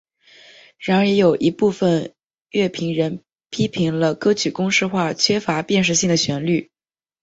然而也有一部分乐评人批评了歌曲公式化缺乏辨识性的旋律。